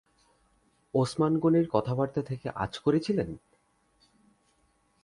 ওসমান গনির কথাবার্তা থেকে আঁচ করেছিলেন?